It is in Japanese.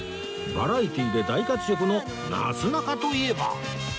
バラエティーで大活躍のなすなかといえば